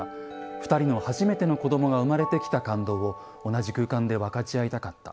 ２人の初めての子どもが生まれてきた感動を同じ空間で分かち合いたかった」。